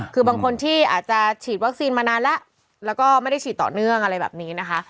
คือบางคนที่อาจจะฉีดวัคซีนมานานแล้วแล้วก็ไม่ได้ฉีดต่อเนื่องอะไรแบบนี้นะคะ